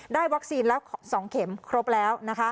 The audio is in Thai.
วัคซีนแล้ว๒เข็มครบแล้ว